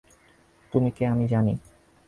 তুমি কে আমি জানি।